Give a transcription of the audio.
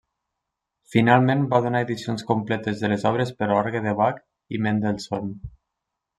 Finalment va donar edicions completes de les obres per a orgue de Bach i Mendelssohn.